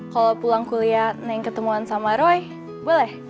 kalau pulang kuliah naik ketemuan sama roy boleh